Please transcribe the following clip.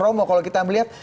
romo kalau kita melihat